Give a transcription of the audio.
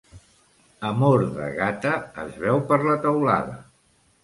Amor de gata, es veu per la teulada.